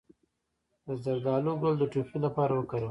د زردالو ګل د ټوخي لپاره وکاروئ